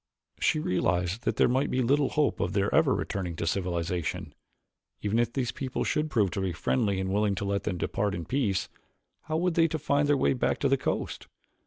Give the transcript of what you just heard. She realized that there might be little hope of their ever returning to civilization. Even if these people should prove friendly and willing to let them depart in peace, how were they to find their way back to the coast?